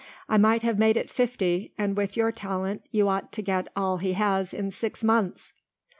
I might have made it fifty and with your talent you ought to get all he has in six months."